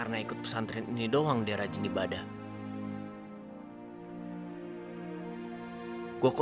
dan banyak sesuatu hal yang tidak merupakan hal yang beres